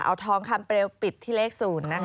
เอาทองคำเปลวปิดที่เลข๐นะคะ